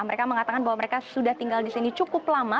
mereka mengatakan bahwa mereka sudah tinggal di sini cukup lama